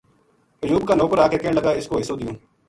ایوب کا نوکر آ کے کہن لگا اِس کو حصو دیوں